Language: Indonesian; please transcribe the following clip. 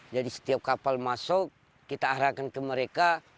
jadi setiap kapal masuk kita arahkan ke mereka